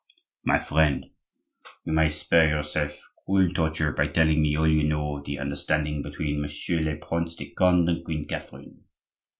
"My friend, you may spare yourself cruel torture by telling me all you know of the understanding between Monsieur le Prince de Conde and Queen Catherine.